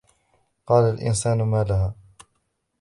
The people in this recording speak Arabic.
وَقَالَ الْإِنْسَانُ مَا لَهَا